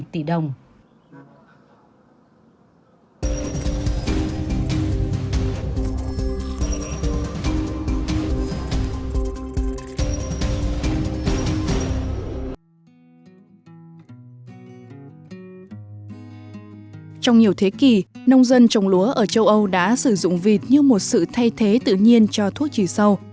trong nhiều thế kỷ nông dân trồng lúa ở châu âu đã sử dụng vịt như một sự thay thế tự nhiên cho thuốc trì sâu